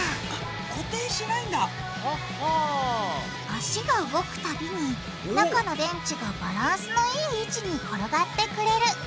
足が動くたびに中の電池がバランスのいい位置に転がってくれる。